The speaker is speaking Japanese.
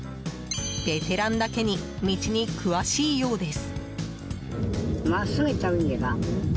ベテランだけに道に詳しいようです。